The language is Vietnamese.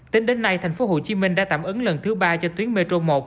tính đến nay thành phố hồ chí minh đã tạm ứng lần thứ ba cho tuyến metro một